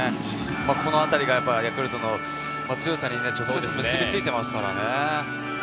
このあたりがヤクルトの強さに直接結びついていますね。